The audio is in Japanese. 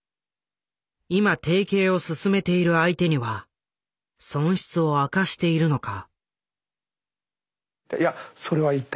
「今提携を進めている相手には損失を明かしているのか」。